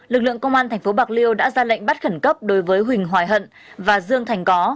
lực lượng công an tp bạc liêu đã ra lệnh bắt khẩn cấp đối với huỳnh hoài hận và dương thành có